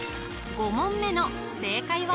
５問目の正解は？